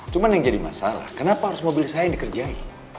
cuma yang jadi masalah kenapa harus mobil saya yang dikerjai